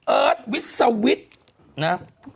เอิร์ทวิสวิทย์นะ